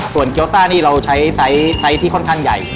ส่วนเกี๊ยวซ่าอันนี้เราใช้ไซส์ที่ค่อนข้างใหญ่